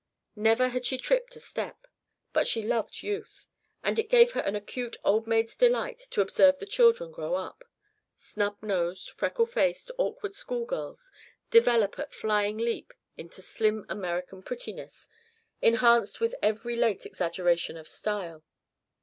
Never had she tripped a step, but she loved youth, and it gave her an acute old maid's delight to observe the children grow up; snub nosed, freckled faced awkward school girls develop at a flying leap into slim American prettiness, enhanced with every late exaggeration of style.